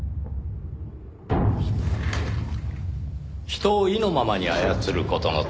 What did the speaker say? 人を意のままに操る事の楽しさ。